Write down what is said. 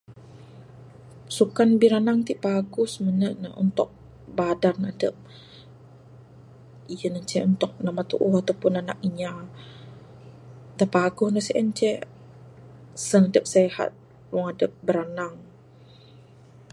Sukan biranang ti paguh simene ne untuk badan adep iyen inceh untuk namba tuuh ato pun anak inya da paguh ne sien ce Sen dep sihat wang dep biranang.